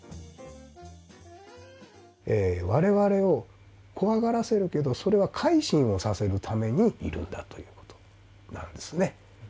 我々を怖がらせるけどそれは改心をさせるためにいるんだという事なんですね。